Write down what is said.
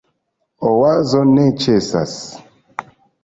Oazo ne ĉesas.